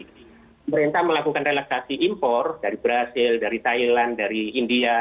pemerintah melakukan relaksasi impor dari brazil dari thailand dari india